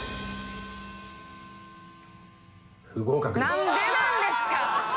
何でなんですか！？